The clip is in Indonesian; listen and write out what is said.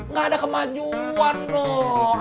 gak ada kemajuan dong